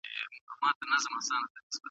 ليکوال وايي چي تاريخ کلي نظر ته اړتيا لري.